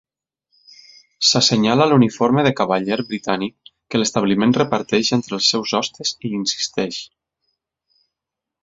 S'assenyala l'uniforme de cavaller britànic que l'establiment reparteix entre els seus hostes i insisteix.